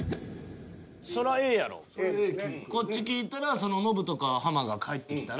こっち聞いたらノブとかハマが帰ってきたら。